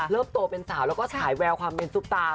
เริ่มโตเป็นสาวและขายแววความเป็นสุขตา